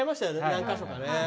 何か所かね。